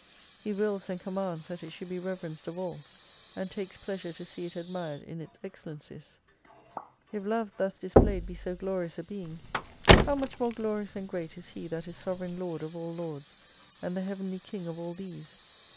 He wills and commands that it should be reverenced of all, and takes pleasure to see it admired in its excellencies. If Love thus dis played be so glorious a being, how much more glorious and great is He that is sovereign Lord of all Lords, and the Heavenly King of all these